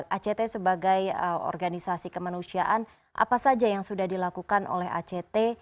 act sebagai organisasi kemanusiaan apa saja yang sudah dilakukan oleh act